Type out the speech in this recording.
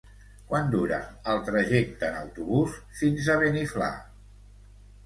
Quant dura el trajecte en autobús fins a Beniflà?